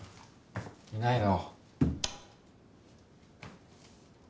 いないの？